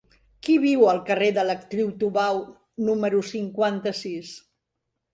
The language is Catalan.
Qui viu al carrer de l'Actriu Tubau número cinquanta-sis?